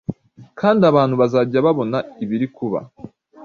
kandi abantu bazajya babona ibiri kuba